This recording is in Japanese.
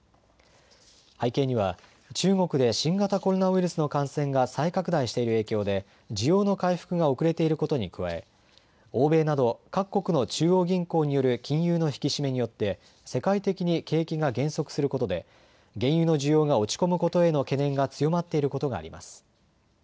背景には中国で新型コロナウイルスの感染が再拡大している影響で需要の回復が遅れていることに加え、欧米など各国の中央銀行による金融の引き締めによって世界的に景気が減速することで原油の需要が落ち込むことへの懸念が強まっていることがあります。